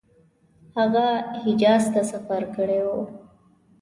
هغه حجاز ته سفر کړی وو.